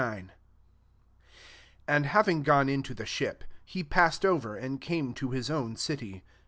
IX. 1 AND having gone into [the] ship, he passed over, and came to his own city.